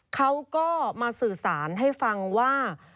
เขาก็มาสื่อสารให้ฟังว่า